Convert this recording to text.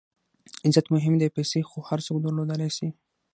عزت مهم دئ، پېسې خو هر څوک درلودلای سي.